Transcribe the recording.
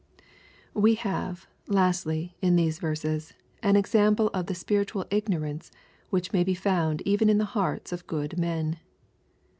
We have, lastly, in these verses, an example of the spirituai ignorance which may he found even in the hearts of good men.